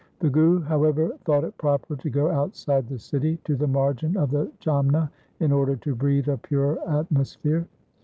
The Guru, however, thought it proper to go outside the city to the margin of the Jamna in order to breathe a purer atmosphere.